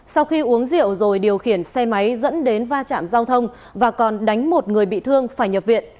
sau khi uống rượu rồi điều khiển xe máy dẫn đến va chạm giao thông và còn đánh một người bị thương phải nhập viện